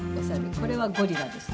これはゴリラですね。